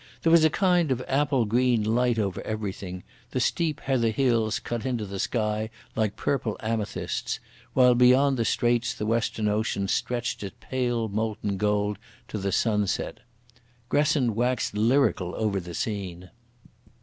There was a kind of apple green light over everything; the steep heather hills cut into the sky like purple amethysts, while beyond the straits the western ocean stretched its pale molten gold to the sunset. Gresson waxed lyrical over the scene.